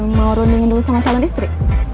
mau runningin dulu sama salon istri